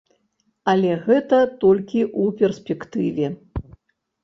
Але гэта толькі ў перспектыве.